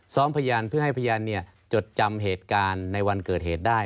พยานเพื่อให้พยานจดจำเหตุการณ์ในวันเกิดเหตุได้